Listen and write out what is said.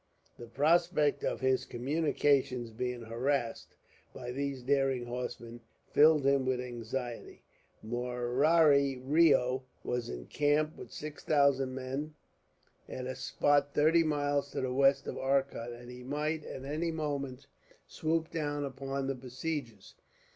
The prospects of his communications being harassed, by these daring horsemen, filled him with anxiety. Murari Reo was encamped, with six thousand men, at a spot thirty miles to the west of Arcot; and he might, at any moment, swoop down upon the besiegers.